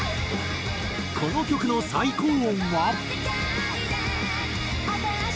この曲の最高音は。